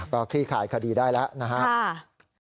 ก็คลี่ข่ายคดีได้แล้วนะครับนะครับค่ะ